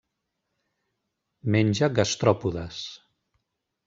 Menja gastròpodes.